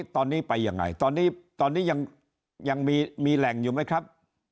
ตอนนี้ไปยังไงตอนนี้ยังมีแหล่งอยู่ไหมครับ